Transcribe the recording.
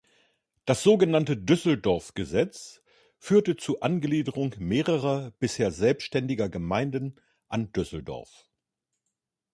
Das sogenannte Düsseldorf-Gesetz führte zur Angliederung mehrerer bisher selbstständiger Gemeinden an Düsseldorf.